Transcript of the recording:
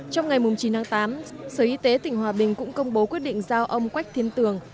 trong ngày chín tháng tám sở y tế tỉnh hòa bình cũng công bố quyết định giao ông quách thiên tường